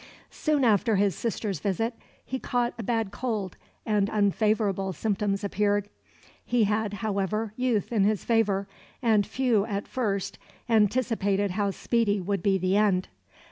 Soon after his sister's visit he caught a bad cold, and unfavourable symptoms appeared. He had, however, youth in his favour, and few at first anticipated how speedy would be the end.